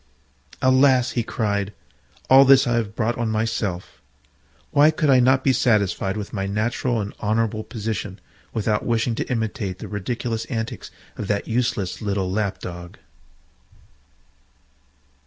"Alas!" he cried, "all this I have brought on myself. Why could I not be satisfied with my natural and honourable position, without wishing to imitate the ridiculous antics of that useless little Lap dog?"